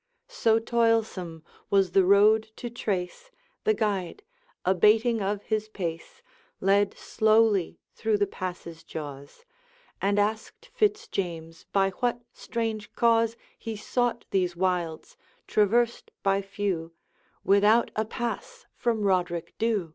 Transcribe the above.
So toilsome was the road to trace The guide, abating of his pace, Led slowly through the pass's jaws And asked Fitz James by what strange cause He sought these wilds, traversed by few Without a pass from Roderick Dhu.